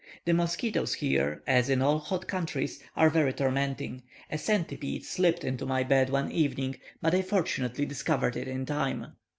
The mosquitoes here, as in all hot countries, are very tormenting. A centipede slipped into my bed one evening, but I fortunately discovered it in time.